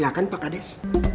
silahkan pak kades